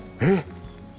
えっ？